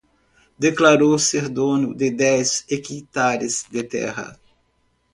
Declarou ser dono de dez hequitares de terra